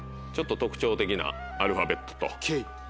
ちょっと特徴的なアルファベットと。